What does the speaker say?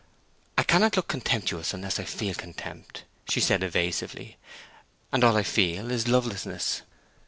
"I cannot look contemptuous unless I feel contempt," she said, evasively. "And all I feel is lovelessness."